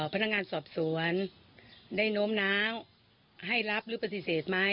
พนักงานสอบสวนได้โน้มน้าวให้รับหรือปฏิเสธไหม